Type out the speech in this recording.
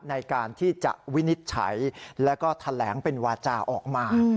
ในการที่จะวินิจฉัยแล้วก็แถลงเป็นวาจาออกมา